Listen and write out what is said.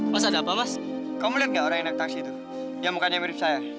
pas ada apa mas kamu lihat nggak orangnya tak gitu ya mukanya mirip saya